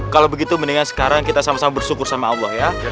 kalau begitu mendingan sekarang kita bersyukur sama allah ya